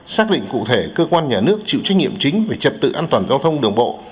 xác định cụ thể cơ quan nhà nước chịu trách nhiệm chính về trật tự an toàn giao thông đường bộ